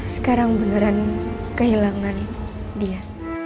sekarang beneran kehilangan dia